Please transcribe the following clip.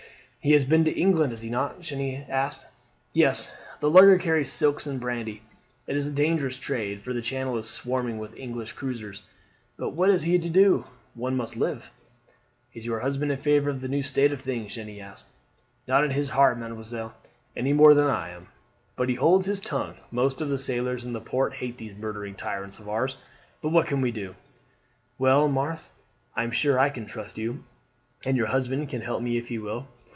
"He has been to England, has he not?" Jeanne asked. "Yes; the lugger carries silks and brandy. It is a dangerous trade, for the Channel is swarming with English cruisers. But what is he to do? One must live." "Is your husband in favour of the new state of things?" Jeanne asked. "Not in his heart, mademoiselle, any more than I am, but he holds his tongue. Most of the sailors in the port hate these murdering tyrants of ours; but what can we do?" "Well, Marthe, I am sure I can trust you, and your husband can help me if he will."